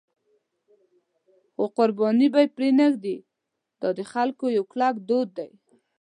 خو قرباني به پرې نه ږدي، دا د خلکو یو کلک دود دی.